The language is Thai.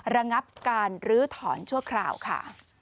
ระงับการลื้อถอนชั่วคราวค่ะ